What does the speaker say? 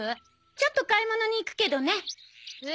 ちょっと買い物に行くけどね。え！